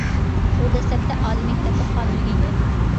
ئۇ دەسلەپتە ئالىي مەكتەپتە قانۇن ئۆگەنگەن.